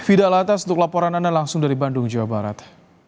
fidalatas untuk laporan anda langsung dari bandung jawa barat